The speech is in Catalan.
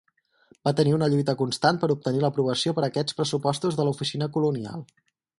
Va tenir una lluita constant per obtenir l'aprovació per aquests pressupostos de l'oficina colonial.